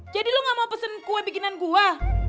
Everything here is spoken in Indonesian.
jadi lo gak mau pesen kue bikinan gue